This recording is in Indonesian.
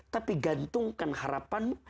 tapi gantungkan harapanmu